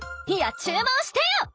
いや注文してよ！